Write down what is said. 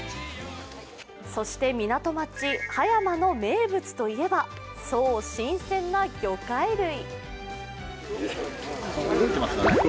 そして、港町・葉山の名物といえば、そう新鮮な魚介類。